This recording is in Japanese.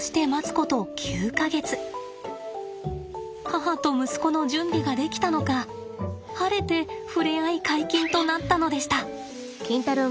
母と息子の準備ができたのか晴れて触れ合い解禁となったのでした。